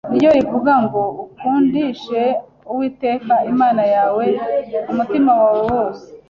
niryo rivuga ngo ukundishe uwiteka Imana yawe umutima wawe wose